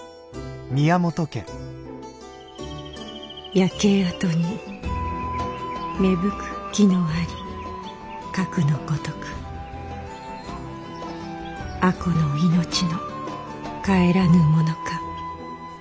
「焼跡に芽吹く木のありかくのごとく吾子の命のかへらぬものか」。